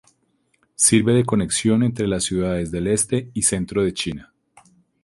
Sirve de conexión entre las ciudades del este y centro de China.